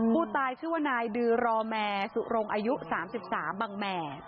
ผู้ตายชื่อว่านายดือรอแมร์สุรงอายุ๓๓บังแหม่